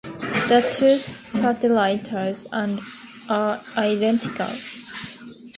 The two satellites are identical.